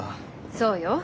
そうよ。